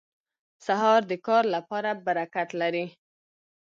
سهار د کار لپاره برکت لري.